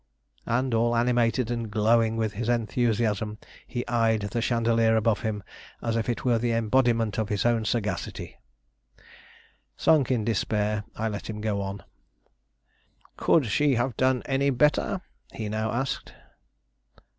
And, all animated and glowing with his enthusiasm, he eyed the chandelier above him as if it were the embodiment of his own sagacity. Sunk in despair, I let him go on. "Could she have done any better?" he now asked.